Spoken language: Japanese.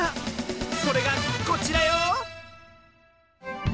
それがこちらよ！